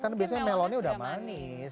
karena biasanya melonnya sudah manis